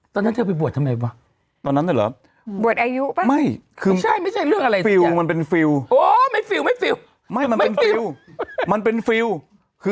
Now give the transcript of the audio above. ตอนนั้นเธอไปบรรยาปริยาไปทำไมว่ะ